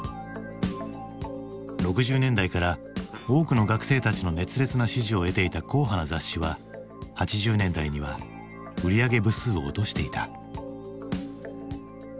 ６０年代から多くの学生たちの熱烈な支持を得ていた硬派な雑誌は８０年代には売り上げ部数を落としていた。